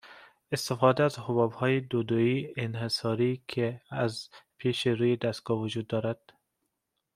استفاده از حبابهای دودویی انحصاریای که از پیش روی دستگاه وجود دارد